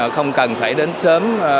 không cần phải đến sớm